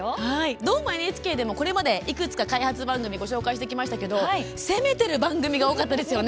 「どーも、ＮＨＫ」でもこれまでいくつか開発番組はご紹介してきましたが攻めてる番組が多いですよね。